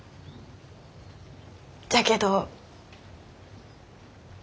じゃけど。